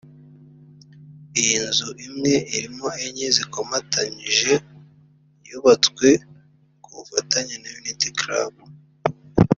Iyi nzu imwe irimo enye zikomatanyije yubatswe ku bufatanye na Unity Club